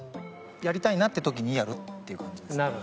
やりたいなっていう時にやるっていう感じですね。